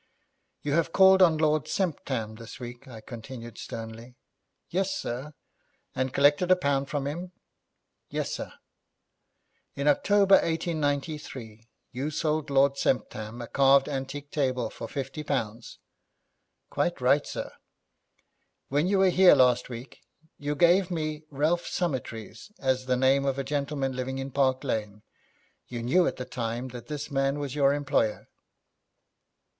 'You have called on Lord Semptam this week,' I continued sternly. 'Yes, sir.' 'And collected a pound from him?' 'Yes, sir.' 'In October, 1893, you sold Lord Semptam a carved antique table for fifty pounds?' 'Quite right, sir.' 'When you were here last week you gave me Ralph Summertrees as the name of a gentleman living in Park Lane. You knew at the time that this man was your employer?'